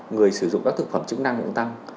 người sử dụng các thực phẩm chức năng cũng tăng